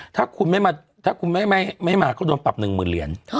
ถ้าคุณไม่มาก็โดนปรับ๑หมื่นเหรียญ